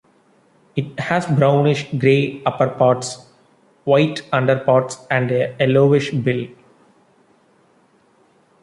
It has brownish-grey upperparts, white underparts and a yellowish bill.